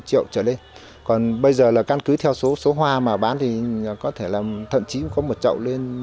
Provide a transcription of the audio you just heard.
triệu trở lên còn bây giờ là căn cứ theo số số hoa mà bán thì có thể là thậm chí có một trậu lên một mươi